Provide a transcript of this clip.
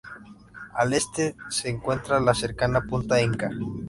Al este se encuentra la cercana punta Inca.